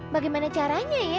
bagaimana caranya ya